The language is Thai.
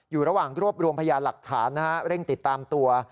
อยู่ระหว่างรวบรวมพยานหลักฐานนะฮะเร่งติดตามตัว